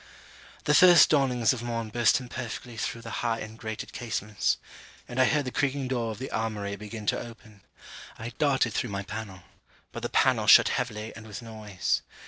The first dawnings of morn burst imperfectly through the high and grated casements; and I heard the creaking door of the armoury begin to open; I darted through my pannel, but the pannel shut heavily and with noise.